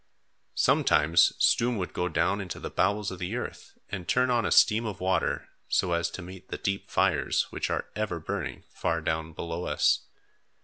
Sometimes Stoom would go down into the bowels of the earth and turn on a stream of water so as to meet the deep fires which are ever burning far down below us.